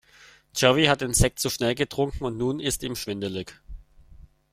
Jerry hat den Sekt zu schnell getrunken und nun ist ihm schwindelig.